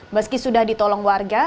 meski sudah ditolong warga